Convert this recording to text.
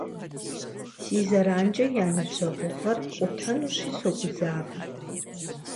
Си зэранкӏэ я ныбжьэгъугъэр къутэнущи согузавэ.